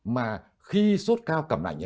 mà khi sốt cao cảm lạnh